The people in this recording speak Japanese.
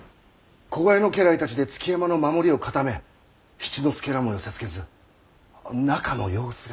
子飼いの家来たちで築山の守りを固め七之助らも寄せつけず中の様子が分かりませぬ。